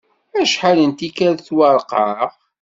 Acḥal n tikkal i tettwareqqeɛ.